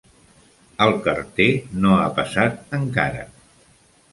El carter no ha passat encara.